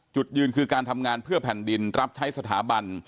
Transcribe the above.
จุดยืนคือการทำงานเพื่อแผ่นดินรับใช้สถาบัน